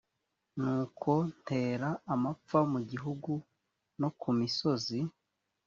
nuko ntera amapfa mu gihugu no ku misozi